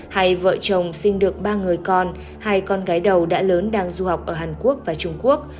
hay vợ chồng sinh được ba người con hai con gái đầu đã lớn đang du học ở hàn quốc và trung quốc